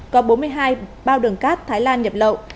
có bốn mươi hai bao đường cát thái lan nhập lậu